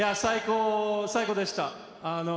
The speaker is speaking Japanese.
最高でした。